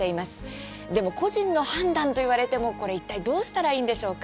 でも個人の判断と言われてもこれ、いったいどうしたらいいんでしょうか。